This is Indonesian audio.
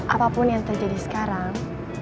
apapun yang terjadi sekarang